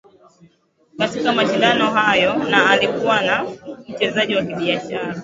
Katika mashindano hayo na alikuwa na mchezaji wa kibiashara